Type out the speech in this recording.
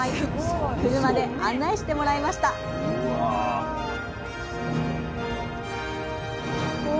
車で案内してもらいましたうわ。